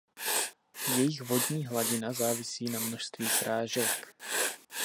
Jejich vodní hladina závisí na množství srážek.